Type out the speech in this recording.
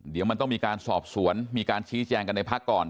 เดี๋ยวมันต้องมีการสอบสวนมีการชี้แจงกันในพักก่อน